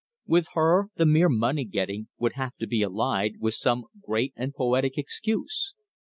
With her the mere money getting would have to be allied with some great and poetic excuse.